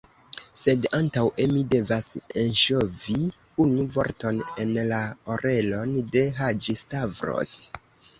Sed antaŭe, mi devas enŝovi unu vorton en la orelon de Haĝi-Stavros.